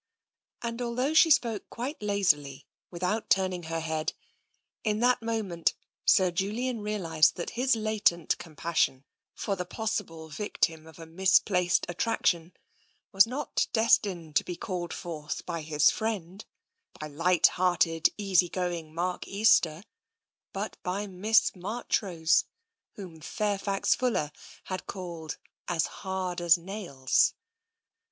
And although she spoke quite lazily, with out turning her head, in that moment Sir Julian realised that his latent compassion for the possible victim of a misplaced attraction was not destined to be called forth by his friend, by light hearted, easy going Mark Easter, but by Miss Marchrose, whom Fairfax Fuller had called " as hard as nails."